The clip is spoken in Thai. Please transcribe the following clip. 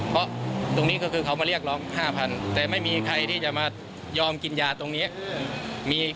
เพราะตรงนี้ก็คือเขามาเรียกร้อง๕๐๐แต่ไม่มีใครที่จะมายอมกินยาตรงนี้